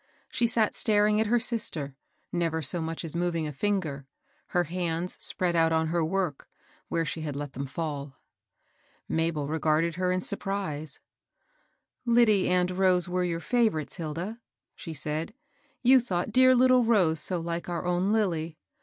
She sat staring at hei sister, never so much as moving a finger, 890 KABEL BOSS. her hands spread oat on her work, where she had let them fall. Mabel regarded her m surprise. Lyddie and Rose were your &vorites, Hilda," she said ;^^ you thought dear little Rose so like our own Lilly.